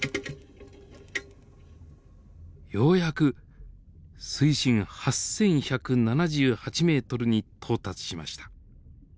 ようやく水深８，１７８ｍに到達しました。